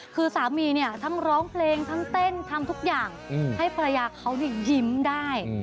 คือสามีเนี่ยทั้งร้องเพลงทั้งเต้นทำทุกอย่างให้ภรรยาเขายิ้มได้